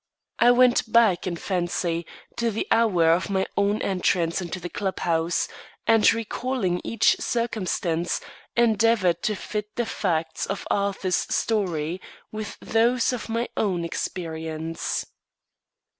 I went back, in fancy, to the hour of my own entrance into the club house, and, recalling each circumstance, endeavoured to fit the facts of Arthur's story with those of my own experience.